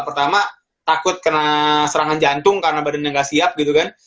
pertama takut kena serangan jantung karena badannya nggak siap gitu kan